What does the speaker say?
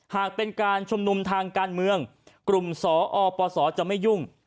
หากเป็นการชุมนุมทางการเมืองกลุ่มสอปศจะไม่ยุ่ง